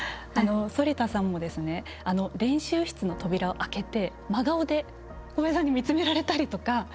反田さんも練習室の扉を開けて、真顔で小林さんに見つめられたりとか。